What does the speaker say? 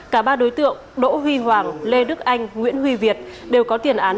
cả ba đối tượng đỗ huy hoàng lê đức anh nguyễn huy việt đều có tiền án